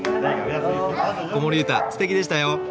子守歌すてきでしたよ！